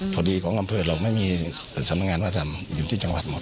พอดีของอำเภอเราไม่มีสำนักงานวัฒนธรรมอยู่ที่จังหวัดหมด